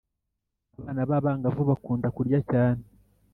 abana b’abangavu bakunda kurya cyane.